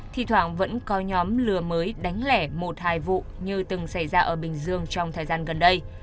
thì thoảng vẫn có nhóm lừa mới đánh lẻ một hai vụ như từng xảy ra ở bình dương trong thời gian gần đây